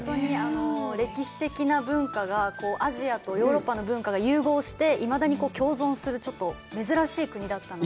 歴史的な文化が、アジアとヨーロッパの文化が融合して、いまだに共存するちょっと珍しい国だったので。